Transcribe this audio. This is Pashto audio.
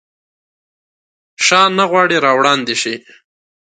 شاه نه غواړي راوړاندي شي.